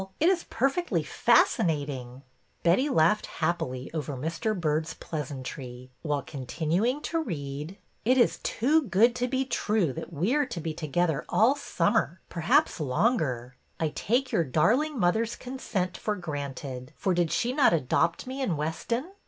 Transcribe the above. It is perfectly fascinating !" 54 BETTY BAIRD'S VENTURES Betty laughed happily over Mr. Byrd's pleas antry, while continuing to read, —''' It is too good to be true that we are to be together all summer, perhaps longer. I take your darling mother's consent for granted, for did she not adopt me in Weston?